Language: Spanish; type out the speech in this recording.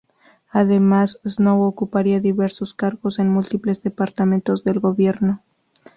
Además, Snow ocuparía diversos cargos en múltiples departamentos del gobierno.